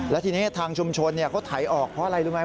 แล้วทีนี้ทางชุมชนเขาไถออกเพราะอะไรรู้ไหม